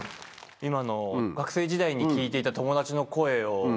今の学生時代に聞いていた友達の声をこうね